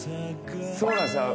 そうなんですよ